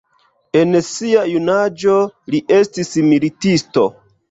En sia junaĝo li estis militisto.